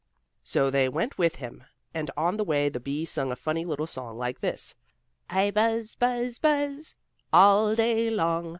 So they went with him and on the way the bee sung a funny little song like this: "I buzz, buzz, buzz All day long.